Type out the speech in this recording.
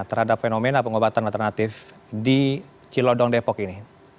terhadap fenomena pengobatan alternatif di cilodong depok ini